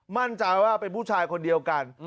มั่นใจว่าเป็นผู้ชายคนเดียวกัน